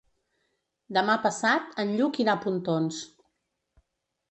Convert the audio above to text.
Demà passat en Lluc irà a Pontons.